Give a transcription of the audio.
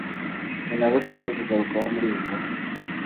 ni nazo tugiye kugarukaho muri iyi nkuru.